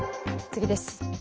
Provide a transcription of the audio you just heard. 次です。